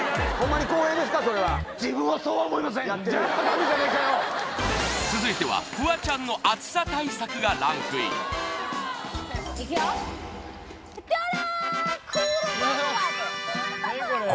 そうね続いてはフワちゃんの暑さ対策がランクインいくよピョローン！